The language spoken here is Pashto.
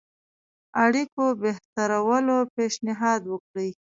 اړيکو بهترولو پېشنهاد وکړي.